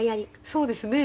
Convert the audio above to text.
そうですね。